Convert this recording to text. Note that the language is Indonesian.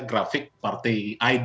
grafik partai id